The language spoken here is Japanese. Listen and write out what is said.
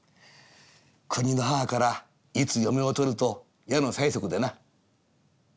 国の母からいつ嫁を取ると矢の催促でな。